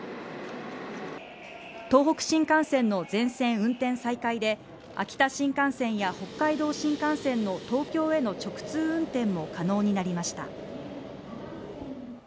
東北新幹線の全線運転再開で秋田新幹線や北海道新幹線の東京への直通運転も可能になりました